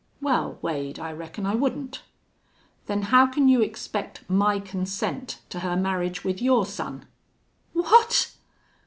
"Wal, Wade, I reckon I wouldn't." "Then how can you expect my consent to her marriage with your son?" "WHAT!"